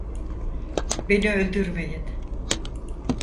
Beni öldürmeyin!